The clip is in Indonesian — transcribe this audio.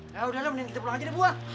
ya udah lah mending kita pulang aja deh bu